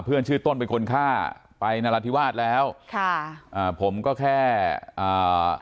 ชื่อต้นเป็นคนฆ่าไปนราธิวาสแล้วค่ะอ่าผมก็แค่อ่า